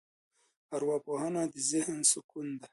ارواپوهنه د ذهن سکون دی.